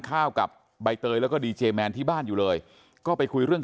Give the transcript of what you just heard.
ข้าวกับใบเตยแล้วก็ดีเจแมนที่บ้านอยู่เลยก็ไปคุยเรื่อง